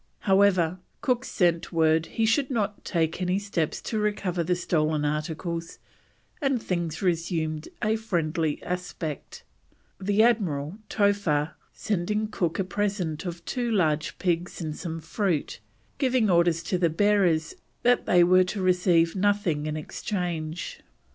However, Cook sent word he should take no steps to recover the stolen articles, and things resumed a friendly aspect, the Admiral, Towha, sending Cook a present of two large pigs and some fruit, giving orders to the bearers that they were to receive nothing in exchange.